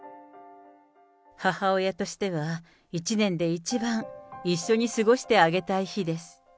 母親としては、１年で一番一緒に過ごしてあげたい日です。